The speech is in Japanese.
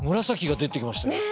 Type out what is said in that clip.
紫が出てきましたよ。